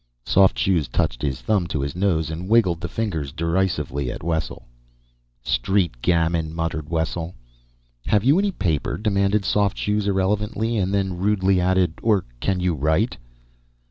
Soft Shoes touched his thumb to his nose and wiggled the fingers derisively at Wessel. "Street gamin!" muttered Wessel. "Have you any paper?" demanded Soft Shoes irrelevantly, and then rudely added, "or can you write?"